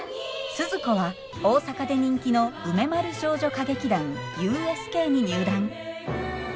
スズ子は大阪で人気の梅丸少女歌劇団ＵＳＫに入団。